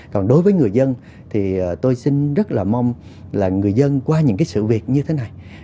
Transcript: còn đối với người dân thì tôi xin rất là mong là người dân qua những cái sự việc như thế này